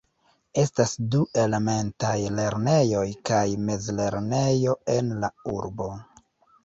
Estas du elementaj lernejoj kaj mezlernejo en la urbo.